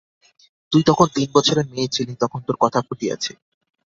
তুই তখন তিন বছরের মেয়ে ছিলি, তখন তোর কথা ফুটিয়াছে।